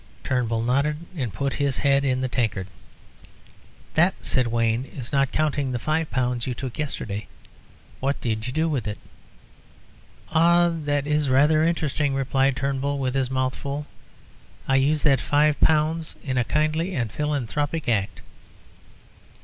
Turnbull nodded and put his head in the tankard. "That," said Wayne, "is not counting the five pounds you took yesterday. What did you do with it?" "Ah, that is rather interesting!" replied Turnbull, with his mouth full. "I used that five pounds in a kindly and philanthropic act."